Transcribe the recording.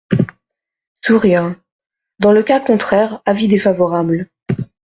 (Sourires.) Dans le cas contraire, avis défavorable.